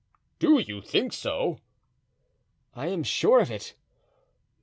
"Do you think so?" "I am sure of it."